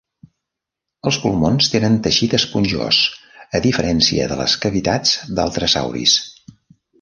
Els pulmons tenen teixit esponjós, a diferència de les cavitats d'altres sauris.